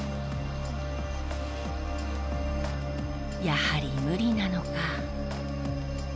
やはり無理なのか。